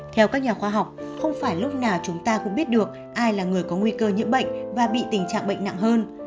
theo các nhà khoa học không phải lúc nào chúng ta cũng biết được ai là người có nguy cơ nhiễm bệnh và bị tình trạng bệnh nặng hơn